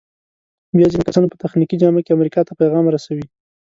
بیا ځینې کسان په تخنیکي جامه کې امریکا ته پیغام رسوي.